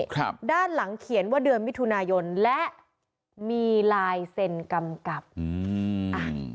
ครับด้านหลังเขียนว่าเดือนมิถุนายนและมีลายเซ็นกำกับอืมอ่ะ